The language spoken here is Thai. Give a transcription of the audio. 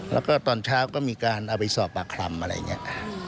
แล้วก็ตอนเช้าก็มีการเอาไปสอบปากคำอะไรอย่างนี้